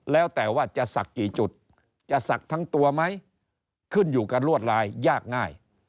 แล้วแต่ว่าจะศักดิ์กี่จุดจะศักดิ์ทั้งตัวไหมขึ้นอยู่กับลวดลายยากง่าย